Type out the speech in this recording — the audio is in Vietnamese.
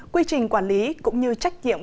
quy trình quản lý cũng như trách nhiệm